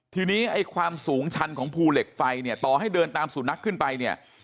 ทีนี้ไอ้ความสูงชันของภูเหล็กไฟเนี่ยต่อให้เดินตามสุนัขขึ้นไปเนี่ย